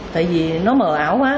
tại vì nó mờ ảo quá